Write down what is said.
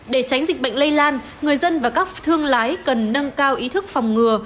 để tránh dịch bệnh lây lan người dân và các thương lái cần nâng cao ý thức phòng ngừa